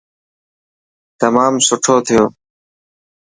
تمام سٺو ٿيو.